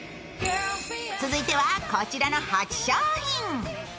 続いては、こちらの８商品。